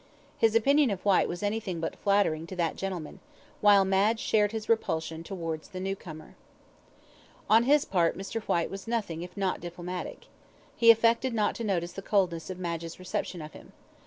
His opinion of Whyte was anything but flattering to that gentleman; while Madge shared his repulsion towards the new comer. On his part Mr. Whyte was nothing if not diplomatic. He affected not to notice the coldness of Madge's reception of him.